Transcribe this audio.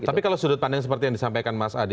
tapi kalau sudut pandang seperti yang disampaikan mas adi